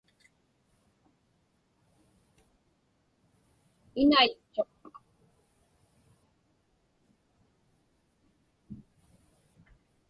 Inaitchuq.